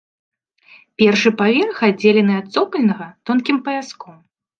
Першы паверх аддзелены ад цокальнага тонкім паяском.